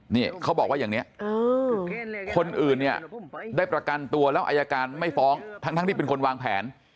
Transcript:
นี่เขาบอกว่าอย่างนี้คนอื่นเนี่ยได้ประกันตัวแล้วอายการไม่ฟ้องทั้งที่เป็นคนวางแผน